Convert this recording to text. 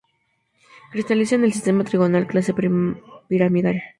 Cristaliza en el sistema trigonal, clase piramidal.